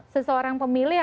seseorang pemilih akan